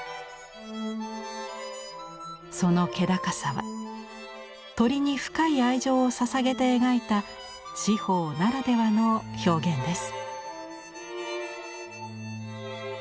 その気高さは鳥に深い愛情をささげて描いた紫峰ならではの表現です。